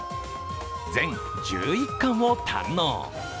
全１１貫を堪能。